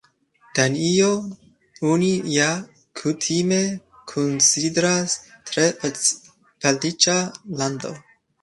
Danion oni ja kutime konsideras tre feliĉa lando.